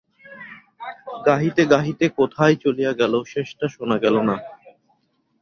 গাহিতে গাহিতে কোথায় চলিয়া গেল, শেষটা শোনা গেল না।